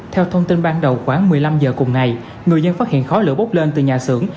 theo thông tin ban đầu khoảng một mươi năm h cùng ngày người dân phát hiện khói lửa bốc lên từ nhà xưởng